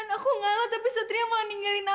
aku akan buktiin pak